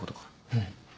うん。